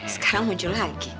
sekarang muncul lagi